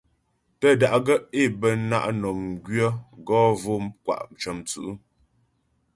Tə́ da'gaə́ é bə na' mnɔm gwyə̌ gɔ mvo'o kwa' cə̀mwtsǔ'.